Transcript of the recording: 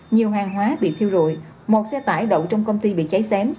nhiều hàng hóa bị thiêu rụi một xe tải đậu trong công ty bị cháy xén